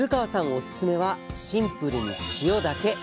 オススメはシンプルに塩だけ。